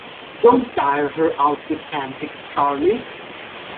Don't tire her out with antics, Charlie.